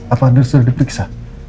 apa anda sudah diperiksa